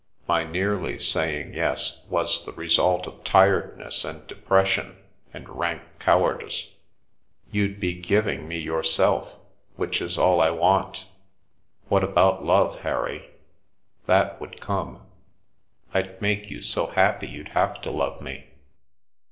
My nearly saying ' Yes ' was the result of tiredness and de pression and rank cowardice." " You'd be giving me yourself, which is all I want." " What about love, Harry ?"" That would come. I'd make you so happy you'd have to love me."